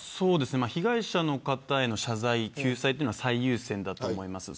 被害者の方への謝罪や救済は最優先だと思います。